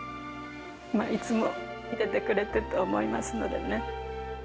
いつも見ててくれてると思いますのでね。